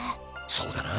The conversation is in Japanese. そうだな。